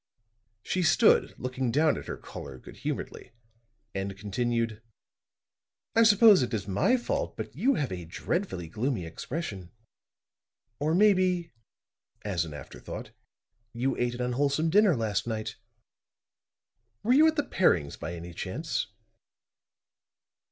She stood looking down at her caller, good humoredly and continued: "I suppose it is my fault, but you have a dreadfully gloomy expression. Or maybe," as an afterthought, "you ate an unwholesome dinner last night. Were you at the Perrings, by any chance?"